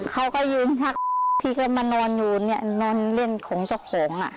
เขาก็ยืนพักที่เขามานอนอยู่เนี่ยนอนเล่นของเจ้าของอ่ะ